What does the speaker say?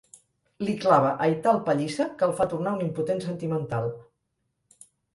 Li clava aital pallissa que el fa tornar un impotent sentimental.